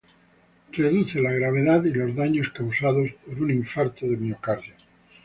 Reduce la gravedad y los daños causados por un infarto de miocardio.